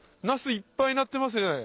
いっぱいなってますね。